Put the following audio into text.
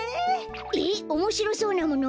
えっおもしろそうなもの？